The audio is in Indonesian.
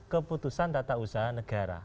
keputusan tata usaha negara